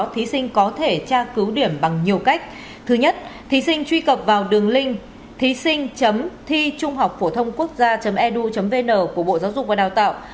thí sinh thí sinh thi trunghocphuothongquocgia edu vn của bộ giáo dục và đào tạo